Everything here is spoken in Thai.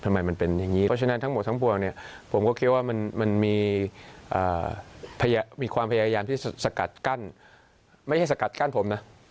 ไม่ใช่สกัดกั้นผมนะ